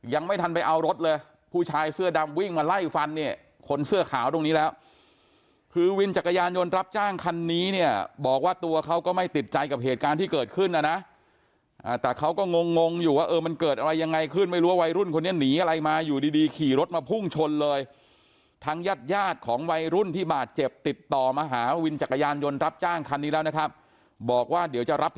ยังไม่ทันไปเอารถเลยผู้ชายเสื้อดำวิ่งมาไล่ฟันเนี่ยคนเสื้อขาวตรงนี้แล้วคือวินจักรยานยนต์รับจ้างคันนี้เนี่ยบอกว่าตัวเขาก็ไม่ติดใจกับเหตุการณ์ที่เกิดขึ้นนะนะแต่เขาก็งงอยู่ว่าเออมันเกิดอะไรยังไงขึ้นไม่รู้ว่าวัยรุ่นคนนี้หนีอะไรมาอยู่ดีขี่รถมาพุ่งชนเลยทั้งญาติยาติของวัยรุ่นที่บาดเ